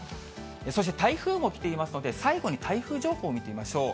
そして、台風も来ていますので、最後に台風情報を見てみましょう。